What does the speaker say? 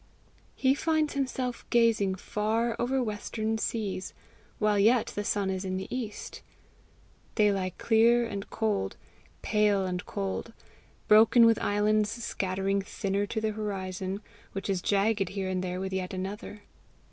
He finds himself gazing far over western seas, while yet the sun is in the east. They lie clear and cold, pale and cold, broken with islands scattering thinner to the horizon, which is jagged here and there with yet another.